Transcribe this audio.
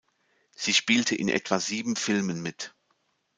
Sie spielte in etwa sieben Filmen mit.